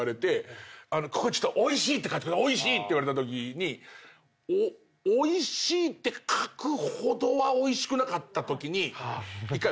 「おいしいって書いて」って言われたときにおいしいって書くほどはおいしくなかったときに１回。